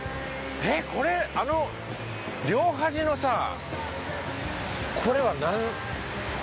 えっこれあの両端のさこれはなん。